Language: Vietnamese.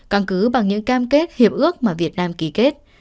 căn cứ bằng những cam kết hiệp ước mà việt nam ký kết